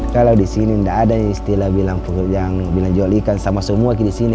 kalau di sini tidak ada istilah bilang yang bilang jual ikan sama semua di sini